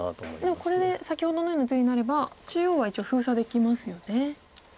でもこれで先ほどのような図になれば中央は一応封鎖できますよね。